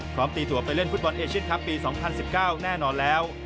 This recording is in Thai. ตีตัวไปเล่นฟุตบอลเอเชียนคลับปี๒๐๑๙แน่นอนแล้ว